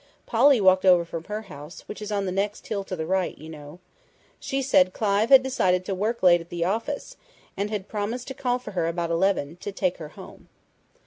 Polly walked over from her house, which is on the next hill to the right, you know. She said Clive had decided to work late at the office, and had promised to call for her about eleven, to take her home."